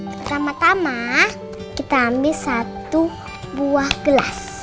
pertama tama kita amis satu buah gelas